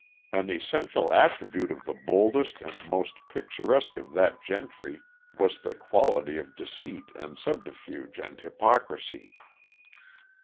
An essential attribute of the boldest and most picturesque of that gentry was the quality of deceit and subterfuge and hypocrisy.